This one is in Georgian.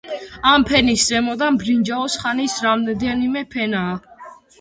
ამ ფენის ზემოდან ბრინჯაოს ხანის რამდენიმე ფენაა.